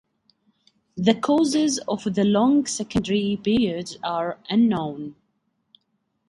The causes of the long secondary periods are unknown.